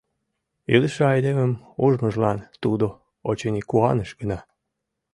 Илыше айдемым ужмыжлан тудо, очыни, куаныш гына.